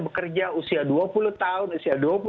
bekerja usia dua puluh tahun usia